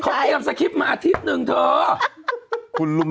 มาอาทิตย์หนึ่งเถอะคุณรู้ไหมการที่คุณไปพูดแบบนี้ว่าเราไม่เตรียม